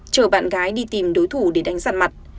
chờ bạn gái đi tìm đối thủ để đánh giặt mặt